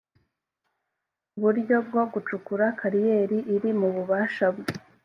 uburyo bwo gucukura kariyeri iri mu bubasha bwe